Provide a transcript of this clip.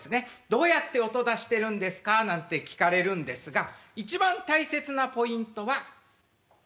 「どうやって音出してるんですか？」なんて聞かれるんですが一番大切なポイントは小指です。